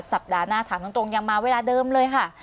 สัปดาห์หน้าถามตรงยังมาเวลาเดิมเลยค่ะ